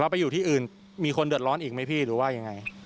ไปอยู่ที่อื่นมีคนเดือดร้อนอีกไหมพี่หรือว่ายังไง